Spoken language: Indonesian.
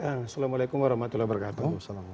assalamualaikum warahmatullahi wabarakatuh